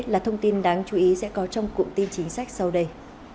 là thông tin đáng chú ý sẽ có trong cụm tin chính sách sau đây